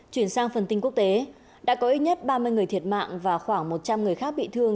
chuyển sang phần tin quốc tế đã có ít nhất ba mươi người thiệt mạng và khoảng một trăm linh người khác bị thương